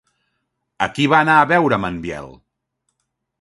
A qui va anar a veure amb en Biel?